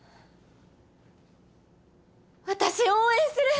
私応援する！